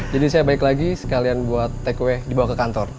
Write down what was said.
jadi saya balik lagi sekalian buat takeaway dibawa ke kantor